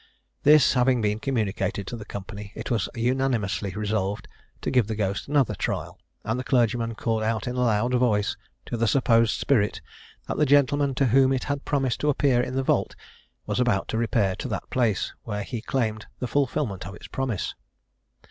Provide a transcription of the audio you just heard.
This having been communicated to the company, it was unanimously resolved to give the ghost another trial; and the clergyman called out in a loud voice to the supposed spirit that the gentleman to whom it had promised to appear in the vault was about to repair to that place, where he claimed the fulfilment of its promise.